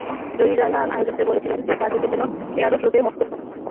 জহির রায়হান আয়োজকদের বলেছিলেন, তাঁর টিকিট যেন এয়ারোফ্লোতে মস্কো হয়ে পাঠানো হয়।